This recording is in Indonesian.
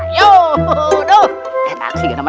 itu buat ketengkaran